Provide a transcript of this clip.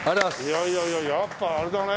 いやいやいややっぱあれだね。